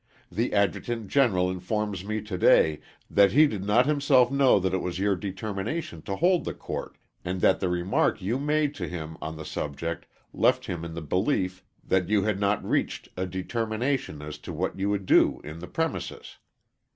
The Adjutant General informs me to day that he did not himself know that it was your determination to hold the court, and that the remark you made to him on the subject left him in the belief that you had not reached a determination as to what you would do in the premises.